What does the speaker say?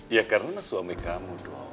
ya karena suami kamu dong